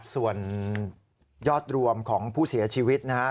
ส่วนยอดรวมของผู้เสียชีวิตนะครับ